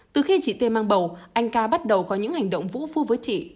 từ khi chị t mang bầu anh k bắt đầu có những hành động vũ phu với chị